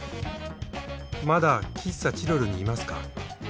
「まだ喫茶チロルにいますか？」。